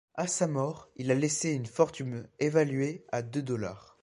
À sa mort, il a laissé une fortune évaluée à de dollars.